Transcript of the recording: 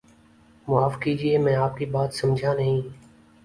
معاف کیجئے میں آپ کی بات سمجھانہیں